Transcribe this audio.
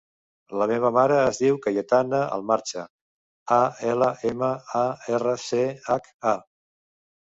La meva mare es diu Cayetana Almarcha: a, ela, ema, a, erra, ce, hac, a.